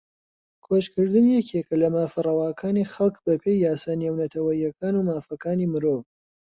کۆچکردن یەکێکە لە مافە ڕەواکانی خەڵک بەپێی یاسا نێونەتەوەییەکان و مافەکانی مرۆڤ